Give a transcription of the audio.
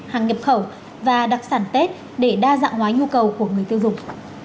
hàng nhập khẩu và đặc sản tết để đa dạng hóa nhu cầu của người tiêu dùng